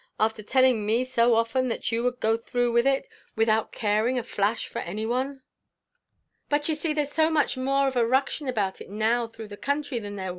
after telling me so often that you would go through with it without caring a flash for any one!" "But you see there's so much more of a ruction about it now through the counthry than there war.